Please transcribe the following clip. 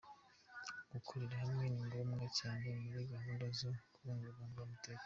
Gukorera hamwe ni ngombwa cyane muri gahunda zo kubungabunga umutekano.